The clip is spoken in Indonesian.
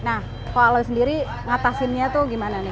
nah kalau lo sendiri ngatasinnya tuh gimana